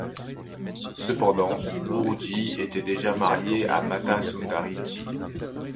Cependant, guru ji était déjà marié à Mata Sundari ji.